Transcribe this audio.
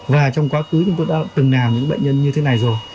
và trong quá khứ chúng tôi đã từng làm những bệnh nhân như thế này rồi